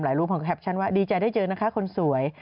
รูปของแคปชั่นว่าดีใจได้เจอนะคะคนสวย